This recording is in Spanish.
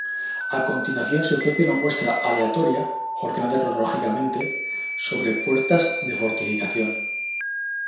A continuación se ofrece una muestra aleatoria, ordenada cronológicamente, sobre puertas de fortificación.